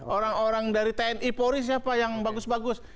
orang orang dari tni polri siapa yang bagus bagus